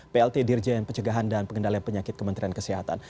plt dirjen pencegahan dan pengendalian penyakit kementerian kesehatan